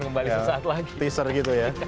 kembali sesaat lagi